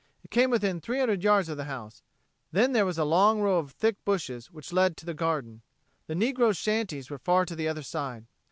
It came within three hundred yards of the house; then there was a long row of thick bushes which led up to the garden. The negroes' shanties were far to the other side.